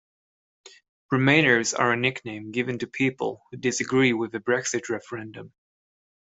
Remainers are a nickname given to people who disagree with the Brexit referendum.